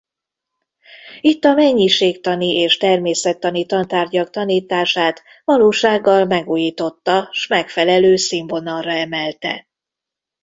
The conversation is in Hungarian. Itt a mennyiségtani és természettani tantárgyak tanítását valósággal megújította s megfelelő színvonalra emelte.